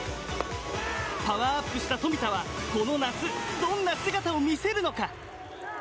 パワーアップした冨田はこの夏どんな姿を見せるのか。